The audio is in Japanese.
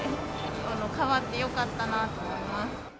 変わってよかったなと思います。